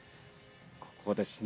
ここですね。